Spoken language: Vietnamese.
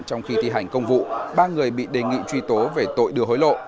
trong khi thi hành công vụ ba người bị đề nghị truy tố về tội đưa hối lộ